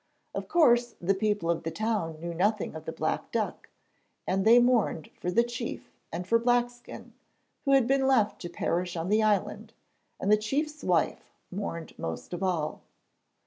Of course, the people of the town knew nothing of the black duck, and they mourned for the chief and for Blackskin, who had been left to perish on the island, and the chief's wife mourned most of all.